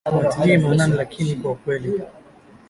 hawatilii maanani lakini kwa kweli